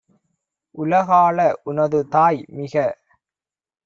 உலகாளஉ னதுதாய்மிக